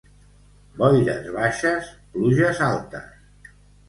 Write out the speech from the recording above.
Boires baixes, pluges altes.